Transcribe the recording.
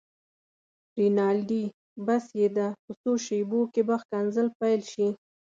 رینالډي: بس یې ده، په څو شېبو کې به ښکنځل پيل شي.